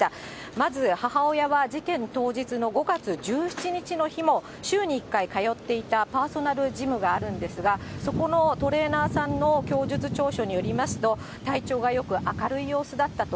まず母親は、事件当日の５月１７日の日も、週に１回通っていたパーソナルジムがあるんですが、そこのトレーナーさんの供述調書によりますと、体調がよく、明るい様子だったと。